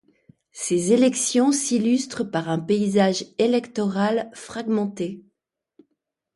Ces élections s'illustrent par un paysage électoral fragmenté.